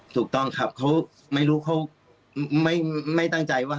ถูกต้องครับเขาไม่รู้เขาไม่ตั้งใจว่า